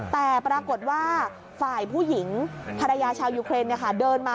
แต่ปรากฏว่าฝ่ายผู้หญิงภรรยาชาวยูเครนเดินมา